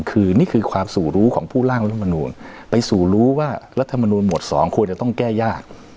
คือนี่คือความสู่รู้ของผู้ร่างรัฐมนูลไปสู่รู้ว่ารัฐมนูลหมวด๒ควรจะต้องแก้ยาก